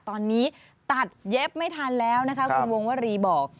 ตอนนี้ตัดเย็บไม่ทันแล้วนะคะคุณวงวรีบอก